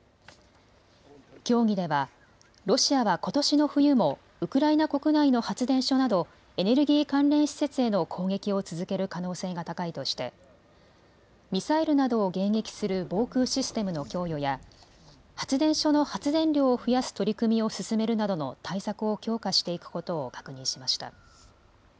協議ではロシアはことしの冬もウクライナ国内の発電所などエネルギー関連施設への攻撃を続ける可能性が高いとしてミサイルなどを迎撃する防空システムの供与や発電所の発電量を増やす取り組みを進めるなどの対策を強化していくことを確認しました。